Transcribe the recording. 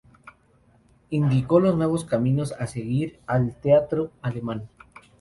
Indicó los nuevos caminos a seguir al teatro alemán.